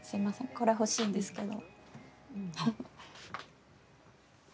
これ欲しいんですけど。